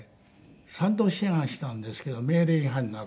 ３度志願したんですけど命令違反になる。